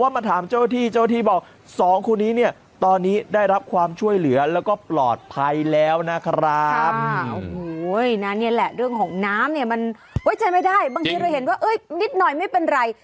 มันใช้ไม่ได้บางทีเราเห็นว่านิดหน่อยไม่เป็นไร